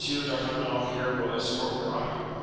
d'Artagnan here will escort your honor.